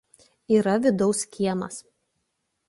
Yra vidaus kiemas.